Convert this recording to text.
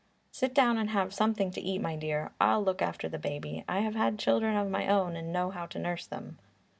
"Sit down and have something to eat, my dear. I'll look after the baby. I have had children of my own and know how to nurse them."